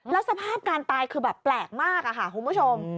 แล้วสภาพการตายคือแบบแปลกมากค่ะคุณผู้ชม